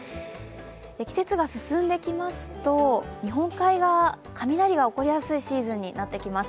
季節が進んできますと日本海側は雷が起こりやすいシーズンになってきます。